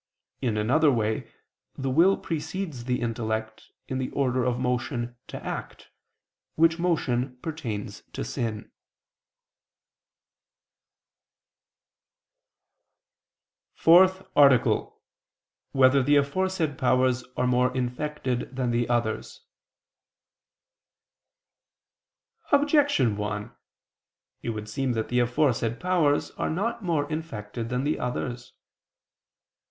In another way, the will precedes the intellect, in the order of motion to act, which motion pertains to sin. ________________________ FOURTH ARTICLE [I II, Q. 83, Art. 4] Whether the Aforesaid Powers Are More Infected Than the Others? Objection 1: It would seem that the aforesaid powers are not more infected than the others.